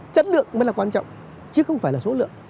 chất lượng mới là quan trọng chứ không phải là số lượng